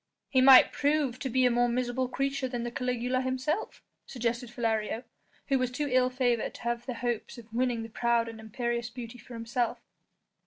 "He might prove to be a more miserable creature than the Caligula himself," suggested Philario, who was too ill favoured to have hopes of winning the proud and imperious beauty for himself.